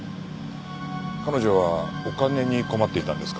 彼女はお金に困っていたんですか？